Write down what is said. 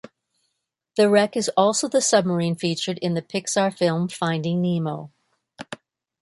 The wreck is also the submarine featured in the Pixar film Finding Nemo.